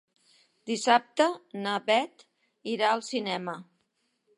Dissabte na Bet irà al cinema.